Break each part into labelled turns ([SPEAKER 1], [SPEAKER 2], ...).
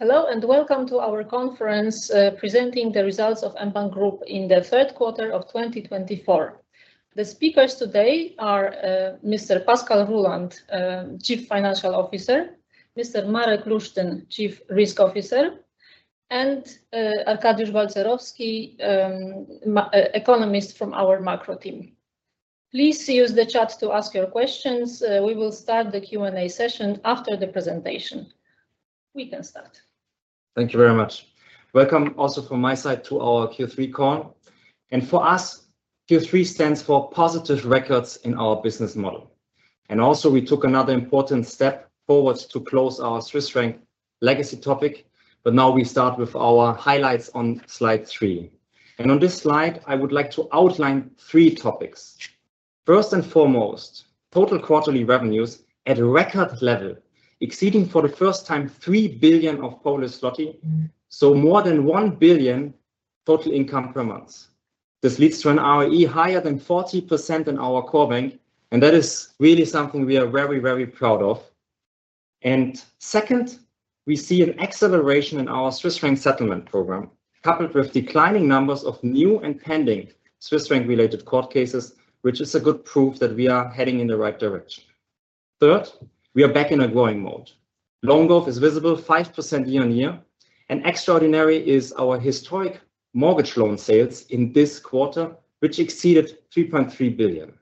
[SPEAKER 1] Hello and welcome to our conference presenting the results of mBank Group in the third quarter of 2024. The speakers today are Mr. Pascal Ruhland, Chief Financial Officer, Mr. Marek Lusztyn, Chief Risk Officer, and Arkadiusz Balcerowski, economist from our macro team. Please use the chat to ask your questions. We will start the Q&A session after the presentation. We can start.
[SPEAKER 2] Thank you very much. Welcome also from my side to our Q3 call. And for us, Q3 stands for positive records in our business model. And also, we took another important step forward to close our Swiss franc legacy topic. But now we start with our highlights on slide three. And on this slide, I would like to outline three topics. First and foremost, total quarterly revenues at a record level, exceeding for the first time 3 billion, so more than 1 billion total income per month. This leads to an ROE higher than 40% in our core bank, and that is really something we are very, very proud of. And second, we see an acceleration in our Swiss franc settlement program, coupled with declining numbers of new and pending Swiss franc-related court cases, which is a good proof that we are heading in the right direction. Third, we are back in a growing mode. Loan growth is visible, 5% year on year, and extraordinary is our historic mortgage loan sales in this quarter, which exceeded 3.3 billion.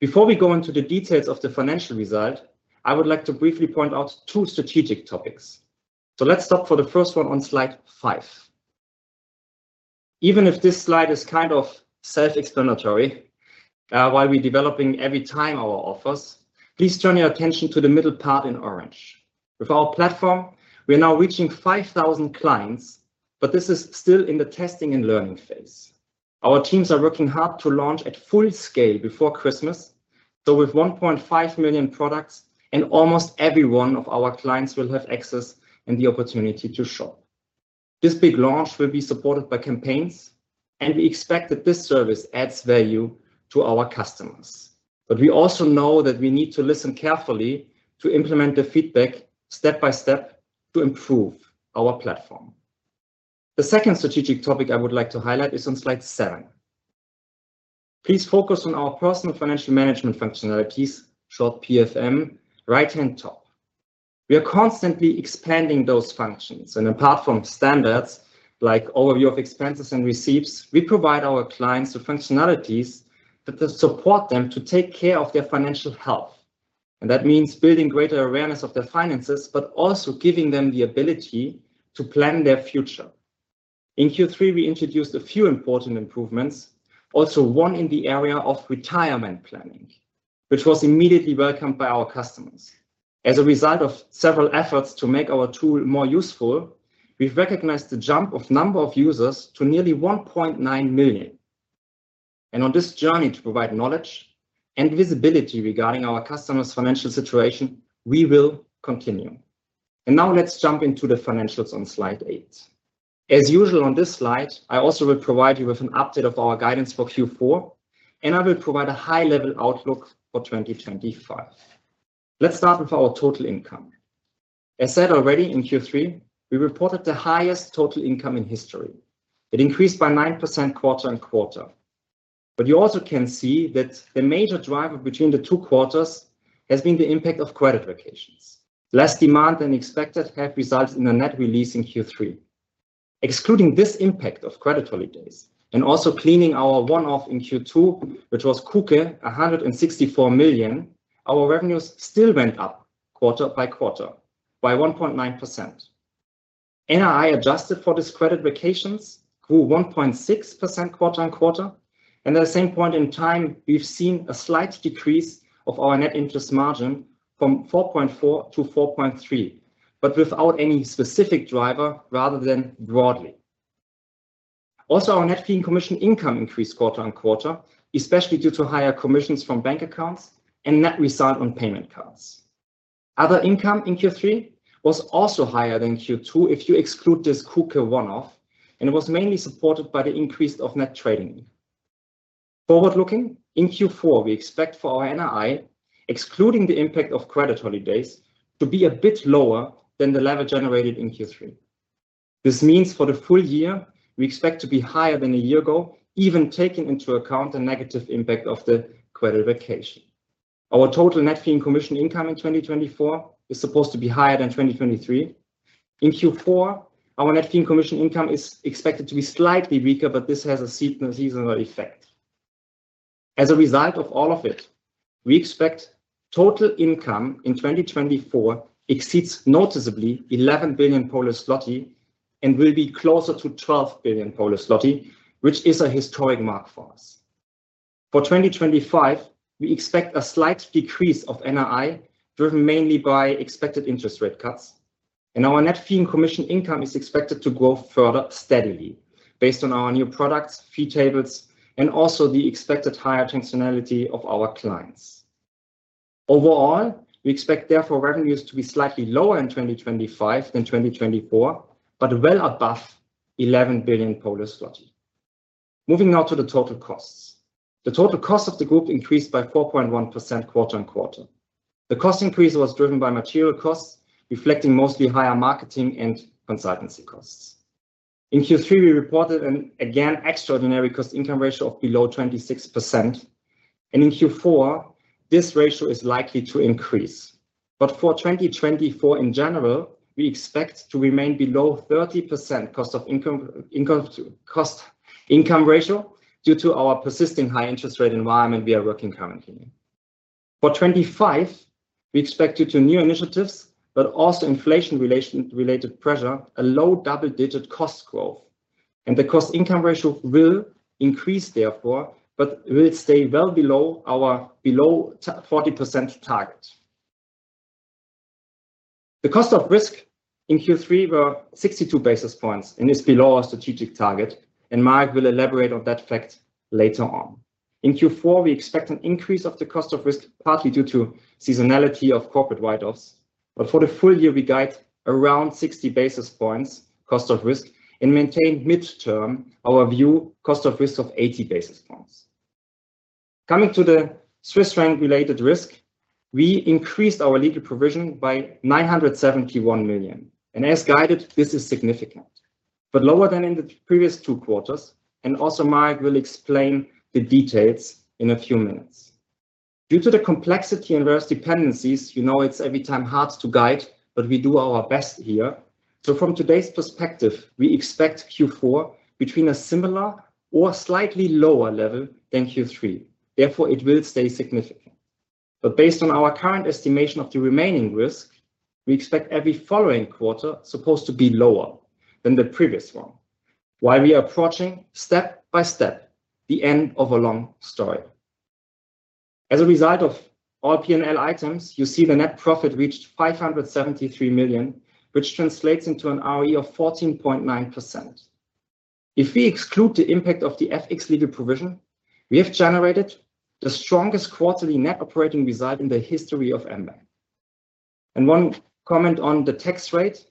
[SPEAKER 2] Before we go into the details of the financial result, I would like to briefly point out two strategic topics. So let's stop for the first one on slide five. Even if this slide is kind of self-explanatory, while we are developing every time our offers, please turn your attention to the middle part in orange. With our platform, we are now reaching 5,000 clients, but this is still in the testing and learning phase. Our teams are working hard to launch at full scale before Christmas, so with 1.5 million products, almost every one of our clients will have access and the opportunity to shop. This big launch will be supported by campaigns, and we expect that this service adds value to our customers. But we also know that we need to listen carefully to implement the feedback step by step to improve our platform. The second strategic topic I would like to highlight is on slide seven. Please focus on our personal financial management functionalities, short PFM, right-hand top. We are constantly expanding those functions. And apart from standards, like overview of expenses and receipts, we provide our clients the functionalities that support them to take care of their financial health. And that means building greater awareness of their finances, but also giving them the ability to plan their future. In Q3, we introduced a few important improvements, also one in the area of retirement planning, which was immediately welcomed by our customers. As a result of several efforts to make our tool more useful, we've recognized the jump of the number of users to nearly 1.9 million, and on this journey to provide knowledge and visibility regarding our customers' financial situation, we will continue, and now let's jump into the financials on slide eight. As usual on this slide, I also will provide you with an update of our guidance for Q4, and I will provide a high-level outlook for 2025. Let's start with our total income. As said already in Q3, we reported the highest total income in history. It increased by 9% quarter on quarter, but you also can see that the major driver between the two quarters has been the impact of credit vacations. Less demand than expected has resulted in a net release in Q3. Excluding this impact of credit holidays and also cleaning our one-off in Q2, which was KUKE, 164 million, our revenues still went up quarter by quarter by 1.9%. NII adjusted for these credit vacations grew 1.6% quarter on quarter. And at the same point in time, we've seen a slight decrease of our net interest margin from 4.4% to 4.3%, but without any specific driver rather than broadly. Also, our net fee and commission income increased quarter on quarter, especially due to higher commissions from bank accounts and net result on payment cards. Other income in Q3 was also higher than Q2 if you exclude this KUKE one-off, and it was mainly supported by the increase of net trading. Forward-looking, in Q4, we expect for our NII, excluding the impact of credit holidays, to be a bit lower than the level generated in Q3. This means for the full year, we expect to be higher than a year ago, even taking into account the negative impact of the credit vacation. Our total net fee and commission income in 2024 is supposed to be higher than 2023. In Q4, our net fee and commission income is expected to be slightly weaker, but this has a seasonal effect. As a result of all of it, we expect total income in 2024 exceeds noticeably 11 billion PLN and will be closer to 12 billion PLN, which is a historic mark for us. For 2025, we expect a slight decrease of NII driven mainly by expected interest rate cuts. And our net fee and commission income is expected to grow further steadily based on our new products, fee tables, and also the expected higher functionality of our clients. Overall, we expect therefore revenues to be slightly lower in 2025 than 2024, but well above 11 billion Polish zloty. Moving now to the total costs. The total cost of the group increased by 4.1% quarter on quarter. The cost increase was driven by material costs, reflecting mostly higher marketing and consultancy costs. In Q3, we reported an again extraordinary cost income ratio of below 26%, and in Q4, this ratio is likely to increase, but for 2024 in general, we expect to remain below 30% cost of income ratio due to our persisting high interest rate environment we are working currently in. For 2025, we expect due to new initiatives, but also inflation-related pressure, a low double-digit cost growth, and the cost income ratio will increase therefore, but will stay well below our 40% target. The cost of risk in Q3 were 62 basis points and is below our strategic target. Marek will elaborate on that fact later on. In Q4, we expect an increase of the cost of risk, partly due to seasonality of corporate write-offs. For the full year, we guide around 60 basis points cost of risk and maintain midterm our view cost of risk of 80 basis points. Coming to the Swiss franc-related risk, we increased our legal provision by 971 million. As guided, this is significant, but lower than in the previous two quarters. Marek will explain the details in a few minutes. Due to the complexity and various dependencies, you know it's every time hard to guide, but we do our best here. From today's perspective, we expect Q4 between a similar or slightly lower level than Q3. Therefore, it will stay significant. Based on our current estimation of the remaining risk, we expect every following quarter supposed to be lower than the previous one, while we are approaching step by step the end of a long story. As a result of all P&L items, you see the net profit reached 573 million, which translates into an ROE of 14.9%. If we exclude the impact of the FX legal provision, we have generated the strongest quarterly net operating result in the history of mBank. One comment on the tax rate,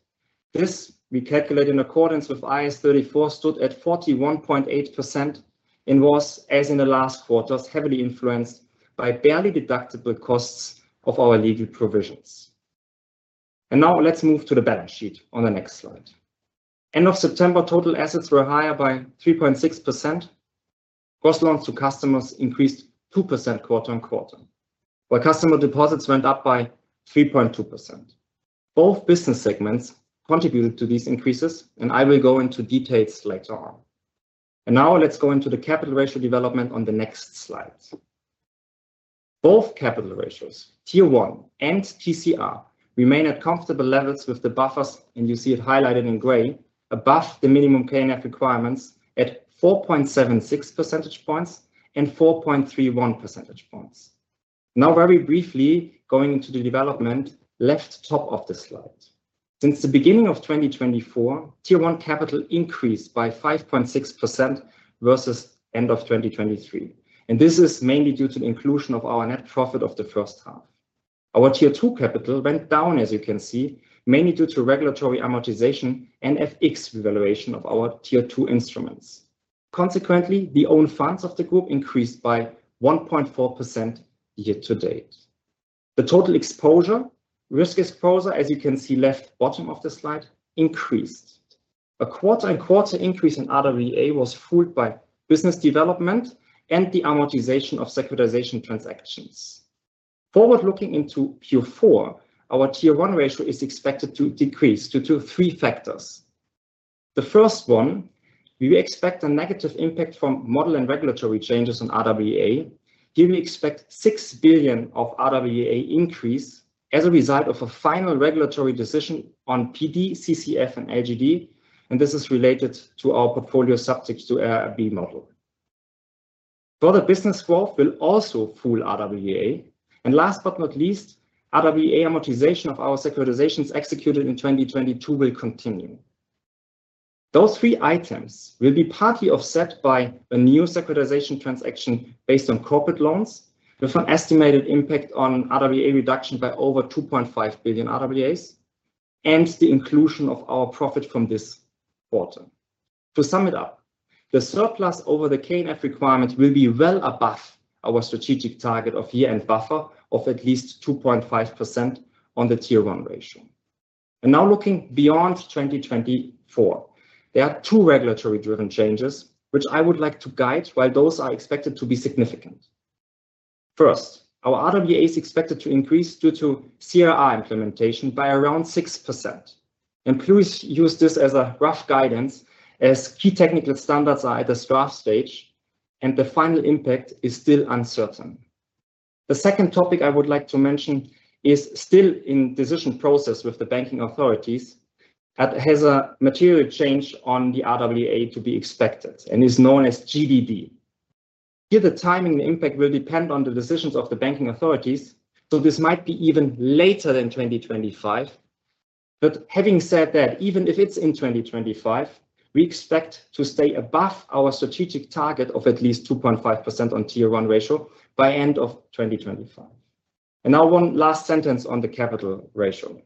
[SPEAKER 2] this we calculate in accordance with IAS 34, stood at 41.8% and was, as in the last quarter, heavily influenced by barely deductible costs of our legal provisions. Now let's move to the balance sheet on the next slide. End of September, total assets were higher by 3.6%. Gross loans to customers increased 2% quarter on quarter, while customer deposits went up by 3.2%. Both business segments contributed to these increases, and I will go into details later on. And now let's go into the capital ratio development on the next slide. Both capital ratios, Tier 1 and TCR, remain at comfortable levels with the buffers, and you see it highlighted in gray, above the minimum KNF requirements at 4.76 percentage points and 4.31 percentage points. Now, very briefly, going into the development left top of the slide. Since the beginning of 2024, Tier 1 capital increased by 5.6% versus end of 2023. And this is mainly due to the inclusion of our net profit of the first half. Our Tier 2 capital went down, as you can see, mainly due to regulatory amortization and FX revaluation of our Tier 2 instruments. Consequently, the own funds of the group increased by 1.4% year to date. The total exposure, risk exposure, as you can see, left bottom of the slide, increased. A quarter-on-quarter increase in RWA was fueled by business development and the amortization of securitization transactions. Forward-looking into Q4, our Tier 1 ratio is expected to decrease due to three factors. The first one, we expect a negative impact from model and regulatory changes on RWA. Here we expect six billion of RWA increase as a result of a final regulatory decision on PD, CCF, and LGD. And this is related to our portfolio subject to AIRB model. Further business growth will also fuel RWA. And last but not least, RWA amortization of our securitizations executed in 2022 will continue. Those three items will be partly offset by a new securitization transaction based on corporate loans, with an estimated impact on RWA reduction by over 2.5 billion RWAs, and the inclusion of our profit from this quarter. To sum it up, the surplus over the KNF requirement will be well above our strategic target of year-end buffer of at least 2.5% on the Tier 1 ratio. Now looking beyond 2024, there are two regulatory-driven changes, which I would like to guide while those are expected to be significant. First, our RWA is expected to increase due to CRR implementation by around 6%. Please use this as a rough guidance, as key technical standards are at the draft stage, and the final impact is still uncertain. The second topic I would like to mention is still in decision process with the banking authorities. It has a material change on the RWA to be expected and is known as GDD. Here, the timing and impact will depend on the decisions of the banking authorities, so this might be even later than 2025. But having said that, even if it's in 2025, we expect to stay above our strategic target of at least 2.5% on Tier 1 ratio by end of 2025. And now one last sentence on the capital ratio.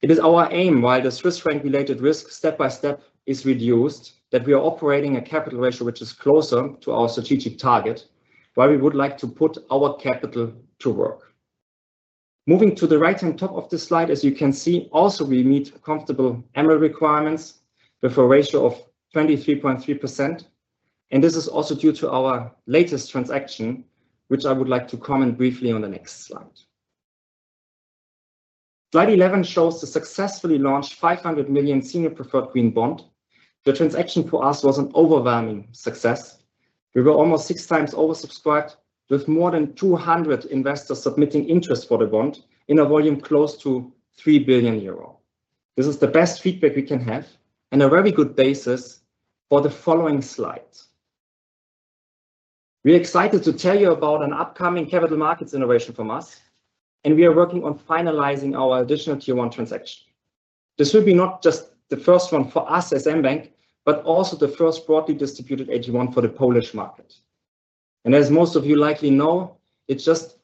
[SPEAKER 2] It is our aim, while the Swiss franc-related risk step by step is reduced, that we are operating a capital ratio which is closer to our strategic target, where we would like to put our capital to work. Moving to the right-hand top of the slide, as you can see, also we meet comfortable MREL requirements with a ratio of 23.3%. This is also due to our latest transaction, which I would like to comment briefly on the next slide. Slide 11 shows the successfully launched 500 million senior preferred green bond. The transaction for us was an overwhelming success. We were almost six times oversubscribed, with more than 200 investors submitting interest for the bond in a volume close to 3 billion euro. This is the best feedback we can have and a very good basis for the following slide. We are excited to tell you about an upcoming capital markets innovation from us, and we are working on finalizing our additional Tier 1 transaction. This will be not just the first one for us as mBank, but also the first broadly distributed AT1 for the Polish market. As most of you likely know, it's just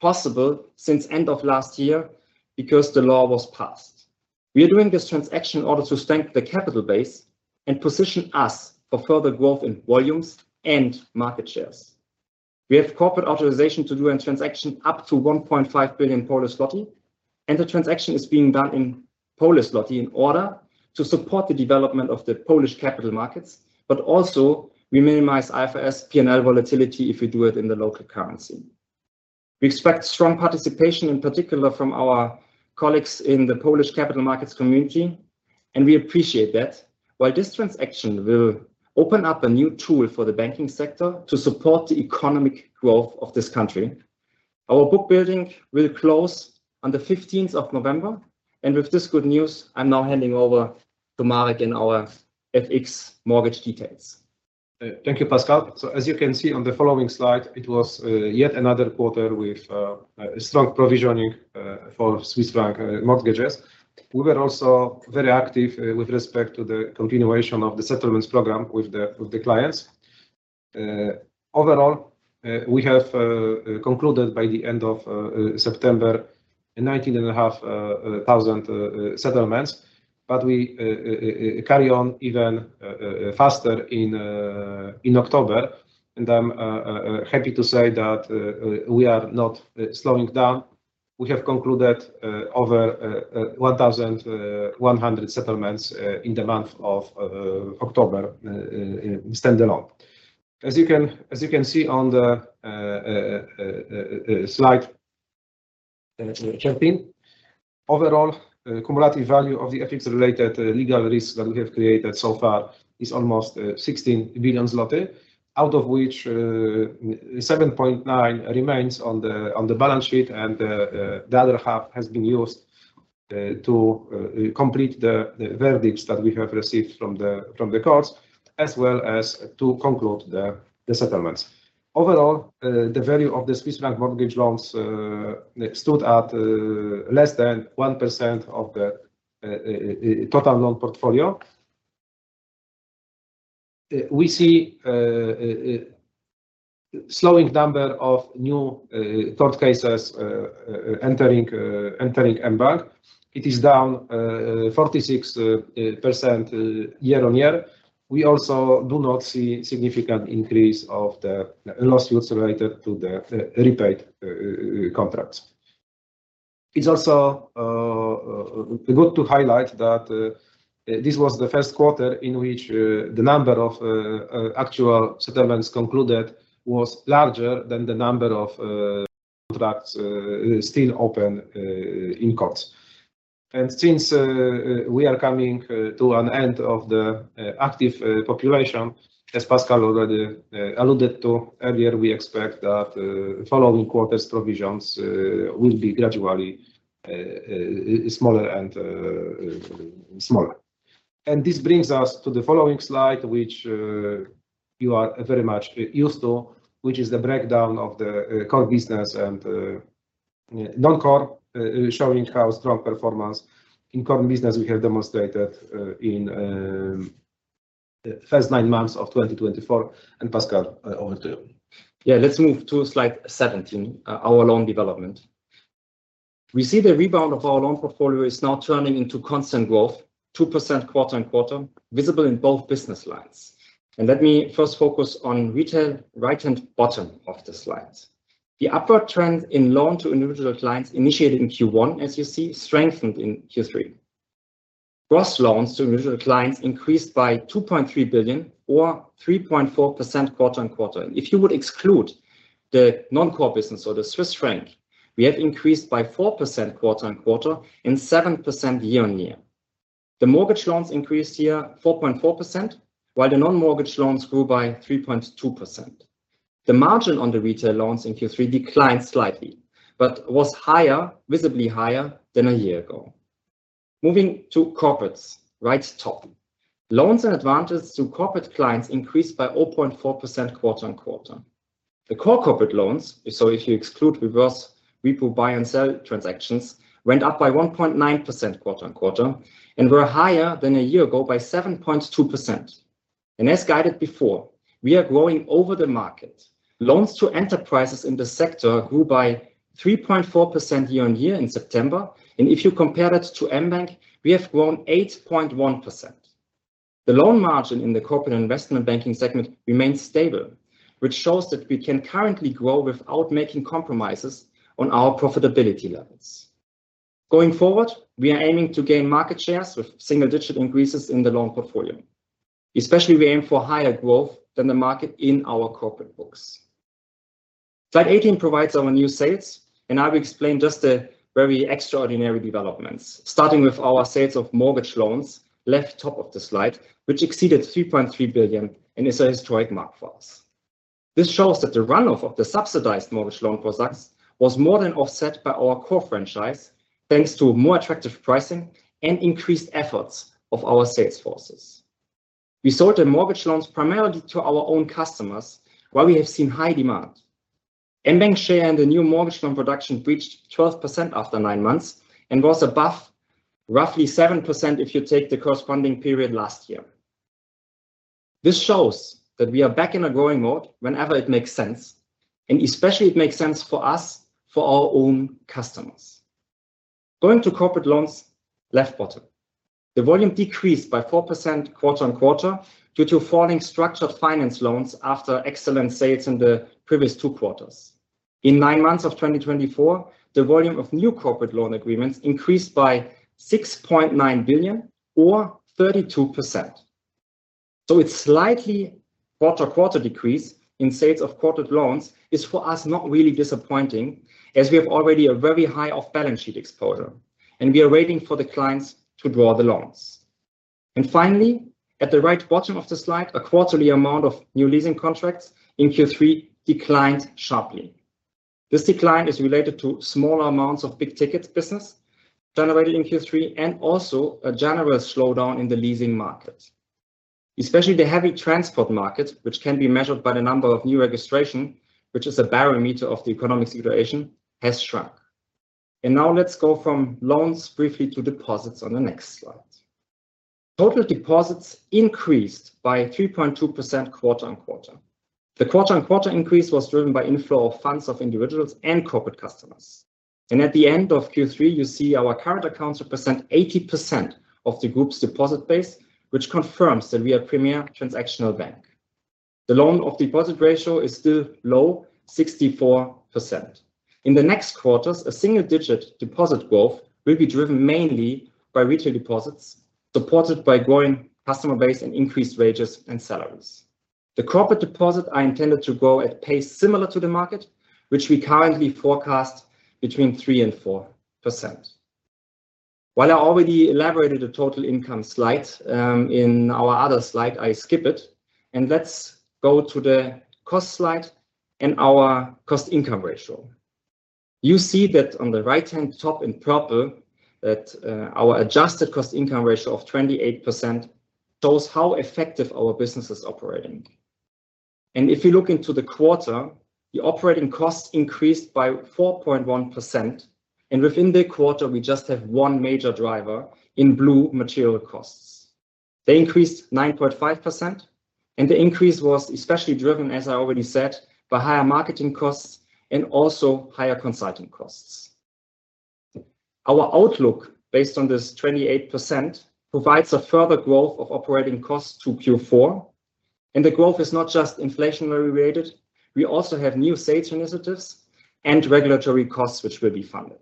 [SPEAKER 2] possible since the end of last year because the law was passed. We are doing this transaction in order to strengthen the capital base and position us for further growth in volumes and market shares. We have corporate authorization to do a transaction up to 1.5 billion, and the transaction is being done in Polish złoty in order to support the development of the Polish capital markets, but also we minimize IFRS P&L volatility if we do it in the local currency. We expect strong participation, in particular from our colleagues in the Polish capital markets community, and we appreciate that. While this transaction will open up a new tool for the banking sector to support the economic growth of this country, our book building will close on the 15th of November, and with this good news, I'm now handing over to Marek in our FX mortgage details.
[SPEAKER 3] Thank you, Pascal. As you can see on the following slide, it was yet another quarter with a strong provisioning for Swiss franc mortgages. We were also very active with respect to the continuation of the settlements program with the clients. Overall, we have concluded by the end of September 19,500 settlements, but we carry on even faster in October. And I'm happy to say that we are not slowing down. We have concluded over 1,100 settlements in the month of October standalone. As you can see on the slide 13, overall cumulative value of the FX-related legal risk that we have created so far is almost 16 billion zloty, out of which 7.9 billion remains on the balance sheet, and the other half has been used to complete the verdicts that we have received from the courts, as well as to conclude the settlements. Overall, the value of the Swiss franc mortgage loans stood at less than 1% of the total loan portfolio. We see a slowing number of new court cases entering mBank. It is down 46% year on year. We also do not see a significant increase of the losses related to the repaid contracts. It's also good to highlight that this was the first quarter in which the number of actual settlements concluded was larger than the number of contracts still open in courts, and since we are coming to an end of the active population, as Pascal already alluded to earlier, we expect that following quarter's provisions will be gradually smaller and smaller. This brings us to the following slide, which you are very much used to, which is the breakdown of the core business and non-core, showing how strong performance in core business we have demonstrated in the first nine months of 2024. Pascal, over to you.
[SPEAKER 2] Yeah, let's move to slide 17, our loan development. We see the rebound of our loan portfolio is now turning into constant growth, 2% quarter on quarter, visible in both business lines. Let me first focus on retail, right-hand bottom of the slides. The upward trend in loans to individual clients initiated in Q1, as you see, strengthened in Q3. Gross loans to individual clients increased by 2.3 billion or 3.4% quarter on quarter. If you would exclude the non-core business or the Swiss franc, we have increased by 4% quarter on quarter and 7% year on year. The mortgage loans increased here 4.4%, while the non-mortgage loans grew by 3.2%. The margin on the retail loans in Q3 declined slightly, but was visibly higher than a year ago. Moving to corporates, right top. Loans and advances to corporate clients increased by 0.4% quarter on quarter. The core corporate loans, so if you exclude reverse repo buy and sell transactions, went up by 1.9% quarter on quarter and were higher than a year ago by 7.2%. And as guided before, we are growing over the market. Loans to enterprises in the sector grew by 3.4% year on year in September. And if you compare that to mBank, we have grown 8.1%. The loan margin in the corporate investment banking segment remains stable, which shows that we can currently grow without making compromises on our profitability levels. Going forward, we are aiming to gain market shares with single-digit increases in the loan portfolio. Especially, we aim for higher growth than the market in our corporate books. Slide 18 provides our new sales, and I will explain just the very extraordinary developments, starting with our sales of mortgage loans left top of the slide, which exceeded 3.3 billion and is a historic mark for us. This shows that the runoff of the subsidized mortgage loan products was more than offset by our core franchise, thanks to more attractive pricing and increased efforts of our sales forces. We sold the mortgage loans primarily to our own customers, where we have seen high demand. mBank's share in the new mortgage loan production breached 12% after nine months and was above roughly 7% if you take the corresponding period last year. This shows that we are back in a growing mode whenever it makes sense, and especially it makes sense for us, for our own customers. Going to corporate loans, left bottom. The volume decreased by 4% quarter on quarter due to falling structured finance loans after excellent sales in the previous two quarters. In nine months of 2024, the volume of new corporate loan agreements increased by 6.9 billion or 32%, so it's slightly quarter-to-quarter decrease in sales of corporate loans is for us not really disappointing, as we have already a very high off-balance sheet exposure, and we are waiting for the clients to draw the loans, and finally, at the right bottom of the slide, a quarterly amount of new leasing contracts in Q3 declined sharply. This decline is related to smaller amounts of big ticket business generated in Q3 and also a general slowdown in the leasing market. Especially the heavy transport market, which can be measured by the number of new registrations, which is a barometer of the economic situation, has shrunk, and now let's go from loans briefly to deposits on the next slide. Total deposits increased by 3.2% quarter on quarter. The quarter-on-quarter increase was driven by inflow of funds of individuals and corporate customers, and at the end of Q3, you see our current accounts represent 80% of the group's deposit base, which confirms that we are a premier transactional bank. The loan-to-deposit ratio is still low, 64%. In the next quarters, a single-digit deposit growth will be driven mainly by retail deposits, supported by growing customer base and increased wages and salaries. The corporate deposits are intended to grow at pace similar to the market, which we currently forecast between 3% and 4%. While I already elaborated the total income slide, in our other slide, I skip it. And let's go to the cost slide and our cost-income ratio. You see that on the right-hand top in purple, that our adjusted cost-income ratio of 28% shows how effective our business is operating. And if you look into the quarter, the operating costs increased by 4.1%. And within the quarter, we just have one major driver in blue, material costs. They increased 9.5%, and the increase was especially driven, as I already said, by higher marketing costs and also higher consulting costs. Our outlook based on this 28% provides a further growth of operating costs to Q4. And the growth is not just inflationary rated. We also have new sales initiatives and regulatory costs which will be funded,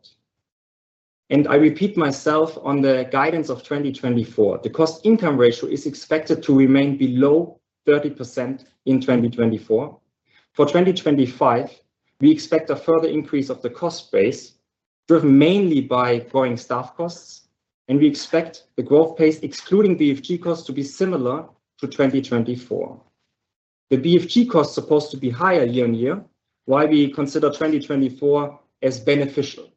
[SPEAKER 2] and I repeat myself on the guidance of 2024. The cost-income ratio is expected to remain below 30% in 2024. For 2025, we expect a further increase of the cost base driven mainly by growing staff costs, and we expect the growth pace, excluding BFG costs, to be similar to 2024. The BFG costs are supposed to be higher year on year, while we consider 2024 as beneficial.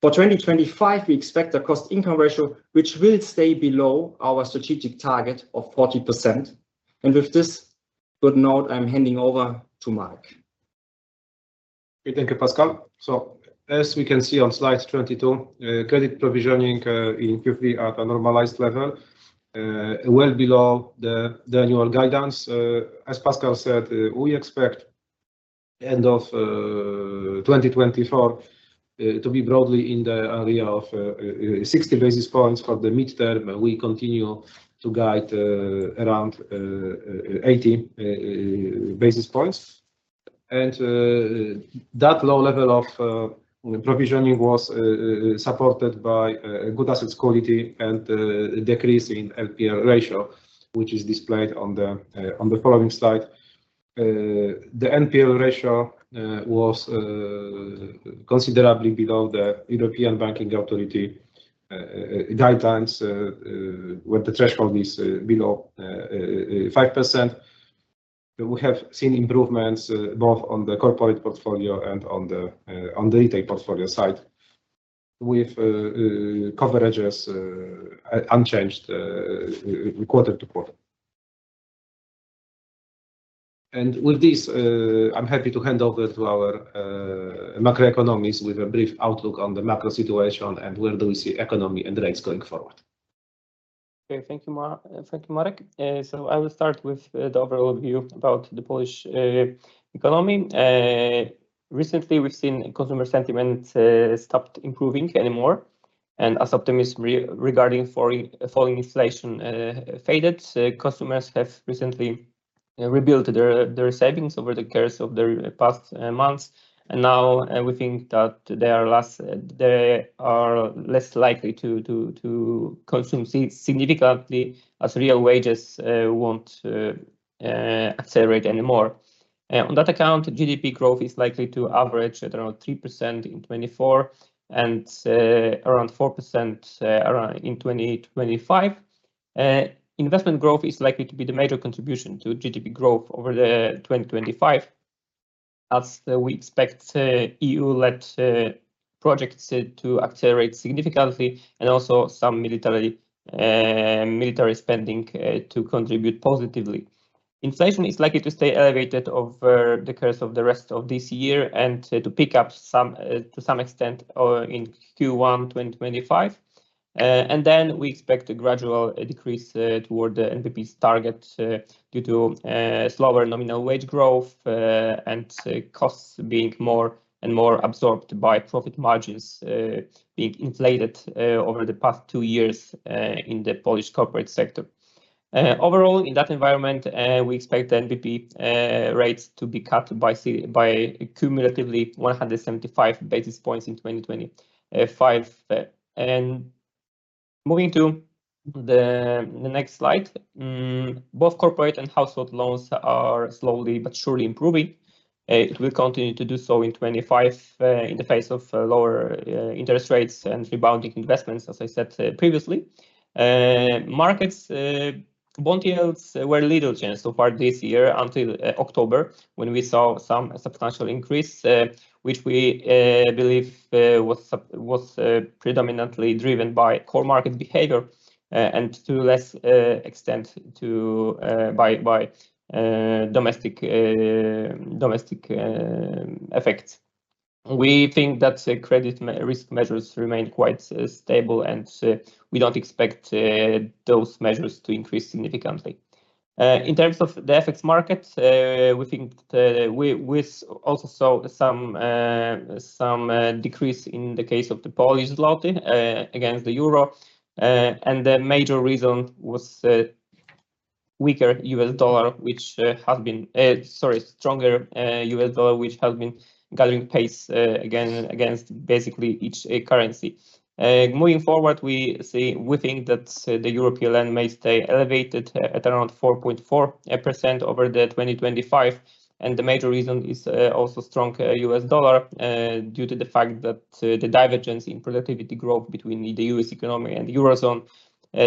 [SPEAKER 2] For 2025, we expect a cost-income ratio which will stay below our strategic target of 40%, and with this good note, I'm handing over to Marek.
[SPEAKER 3] Thank you, Pascal, so as we can see on slide 22, credit provisioning in Q3 at a normalized level, well below the annual guidance. As Pascal said, we expect the end of 2024 to be broadly in the area of 60 basis points. For the midterm, we continue to guide around 80 basis points, and that low level of provisioning was supported by good asset quality and decrease in NPL ratio, which is displayed on the following slide. The NPL ratio was considerably below the European Banking Authority guidelines, where the threshold is below 5%. We have seen improvements both on the corporate portfolio and on the retail portfolio side, with coverages unchanged quarter to quarter, and with this, I'm happy to hand over to our macroeconomists with a brief outlook on the macro situation and where do we see economy and rates going forward.
[SPEAKER 2] Okay, thank you, Marek, so I will start with the overall view about the Polish economy. Recently, we've seen consumer sentiment stopped improving anymore, and as optimism regarding falling inflation faded, consumers have recently rebuilt their savings over the course of the past months.
[SPEAKER 4] Now we think that they are less likely to consume significantly as real wages won't accelerate anymore. On that account, GDP growth is likely to average at around 3% in 2024 and around 4% in 2025. Investment growth is likely to be the major contribution to GDP growth over 2025. As we expect, EU-led projects to accelerate significantly and also some military spending to contribute positively. Inflation is likely to stay elevated over the course of the rest of this year and to pick up to some extent in Q1 2025. Then we expect a gradual decrease toward the NBP's target due to slower nominal wage growth and costs being more and more absorbed by profit margins being inflated over the past two years in the Polish corporate sector. Overall, in that environment, we expect the NBP rates to be cut by cumulatively 175 basis points in 2025. And moving to the next slide, both corporate and household loans are slowly but surely improving. It will continue to do so in 2025 in the face of lower interest rates and rebounding investments, as I said previously. Markets' bond yields were little change so far this year until October when we saw some substantial increase, which we believe was predominantly driven by core market behavior and to less extent by domestic effects. We think that credit risk measures remain quite stable, and we don't expect those measures to increase significantly. In terms of the FX market, we think we also saw some decrease in the case of the Polish zloty against the euro. And the major reason was weaker US dollar, which has been, sorry, stronger US dollar, which has been gathering pace again against basically each currency. Moving forward, we think that the EUR/PLN may stay elevated at around 4.4% over 2025, and the major reason is also strong US dollar due to the fact that the divergence in productivity growth between the US economy and the eurozone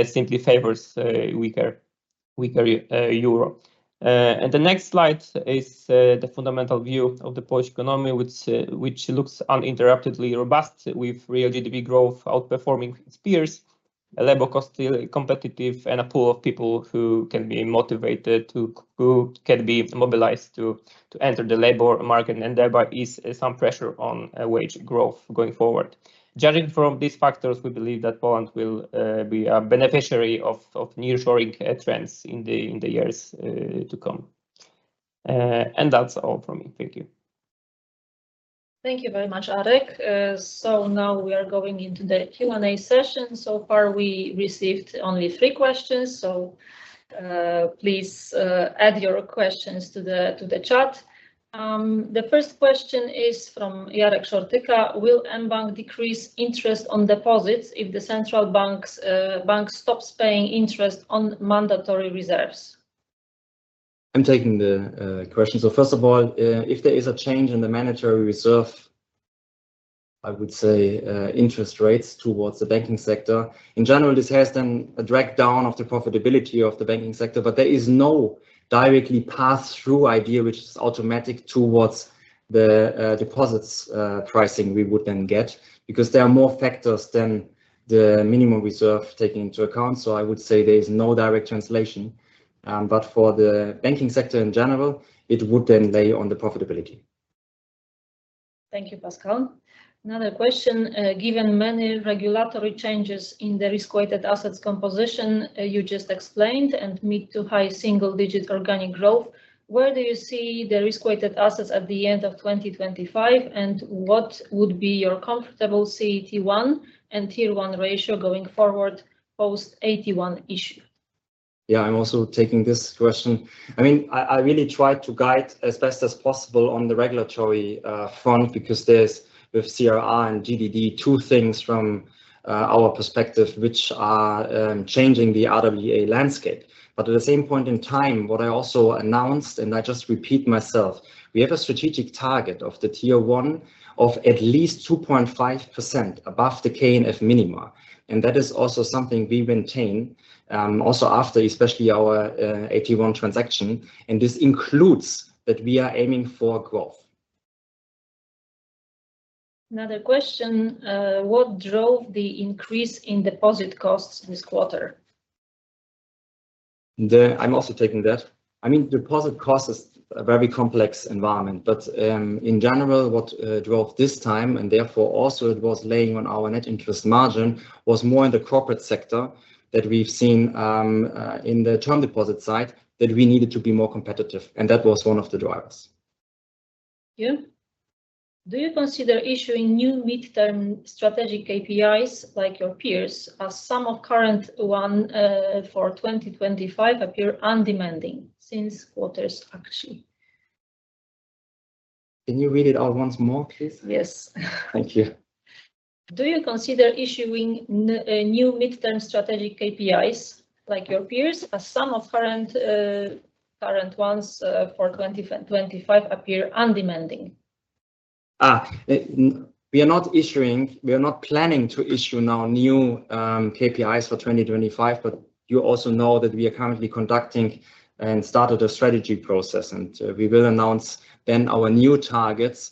[SPEAKER 4] simply favors weaker euro, and the next slide is the fundamental view of the Polish economy, which looks uninterruptedly robust, with real GDP growth outperforming its peers, labor costs competitive, and a pool of people who can be motivated, who can be mobilized to enter the labor market, and there is some pressure on wage growth going forward. Judging from these factors, we believe that Poland will be a beneficiary of nearshoring trends in the years to come, and that's all from me. Thank you.
[SPEAKER 1] Thank you very much, Arek, so now we are going into the Q&A session. So far, we received only three questions. So please add your questions to the chat. The first question is from Jaromir Szortyka. Will mBank decrease interest on deposits if the central bank stops paying interest on mandatory reserves?
[SPEAKER 2] I'm taking the question. So first of all, if there is a change in the mandatory reserve, I would say interest rates towards the banking sector. In general, this has then a drag down of the profitability of the banking sector, but there is no directly pass-through idea, which is automatic towards the deposits pricing we would then get, because there are more factors than the minimum reserve taken into account. So I would say there is no direct translation. But for the banking sector in general, it would then lay on the profitability.
[SPEAKER 1] Thank you, Pascal. Another question. Given many regulatory changes in the risk-weighted assets composition you just explained and mid to high single-digit organic growth, where do you see the risk-weighted assets at the end of 2025, and what would be your comfortable CET1 and Tier 1 ratio going forward post AT1 issue?
[SPEAKER 2] Yeah, I'm also taking this question. I mean, I really tried to guide as best as possible on the regulatory front, because there's, with CRR and GDD, two things from our perspective which are changing the RWA landscape. But at the same point in time, what I also announced, and I just repeat myself, we have a strategic target of the Tier 1 of at least 2.5% above the KNF minima. And that is also something we maintain also after, especially our AT1 transaction. And this includes that we are aiming for growth.
[SPEAKER 1] Another question. What drove the increase in deposit costs this quarter?
[SPEAKER 2] I'm also taking that. I mean, deposit costs is a very complex environment. But in general, what drove this time, and therefore also it was laying on our net interest margin, was more in the corporate sector that we've seen in the term deposit side that we needed to be more competitive. And that was one of the drivers.
[SPEAKER 1] Thank you. Do you consider issuing new midterm strategic KPIs like your peers as some of current one for 2025 appear undemanding since quarters actually?
[SPEAKER 2] Can you read it all once more, please? Yes. Thank you.
[SPEAKER 1] Do you consider issuing new midterm strategic KPIs like your peers as some of current ones for 2025 appear undemanding?
[SPEAKER 2] We are not issuing; we are not planning to issue now new KPIs for 2025. But you also know that we are currently conducting and started a strategy process, and we will announce then our new targets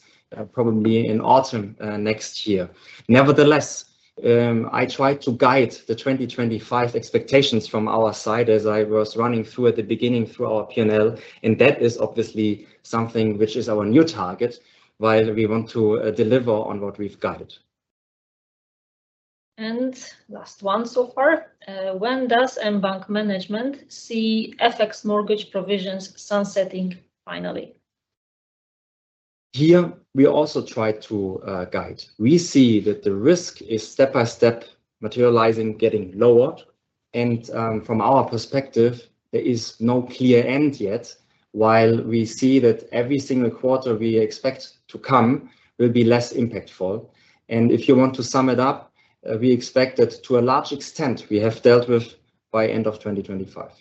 [SPEAKER 2] probably in autumn next year. Nevertheless, I tried to guide the 2025 expectations from our side as I was running through at the beginning through our P&L. And that is obviously something which is our new target, while we want to deliver on what we've guided.
[SPEAKER 1] And last one so far. When does mBank management see FX mortgage provisions sunsetting finally?
[SPEAKER 2] Here, we also tried to guide. We see that the risk is step by step materializing, getting lower. And from our perspective, there is no clear end yet, while we see that every single quarter we expect to come will be less impactful. And if you want to sum it up, we expect that to a large extent we have dealt with by end of 2025.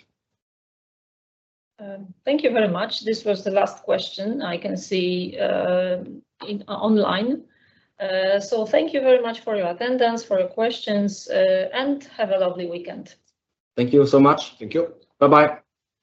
[SPEAKER 1] Thank you very much. This was the last question I can see online. So thank you very much for your attendance, for your questions, and have a lovely weekend.
[SPEAKER 2] Thank you so much.
[SPEAKER 3] Thank you. Bye-bye.